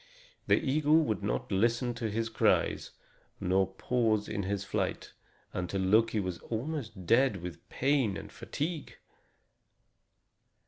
The eagle would not listen to his cries nor pause in his flight, until Loki was almost dead with pain and fatigue.